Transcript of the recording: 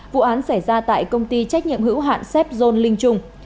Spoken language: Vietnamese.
vụ án xảy ra tại công ty trách nhiệm hữu hạn xếp zon linh trung